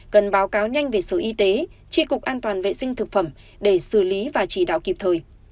cần báo cáo nhanh về sở y tế tri cục an toàn vệ sinh thực phẩm để xử lý và chỉ đạo kịp thời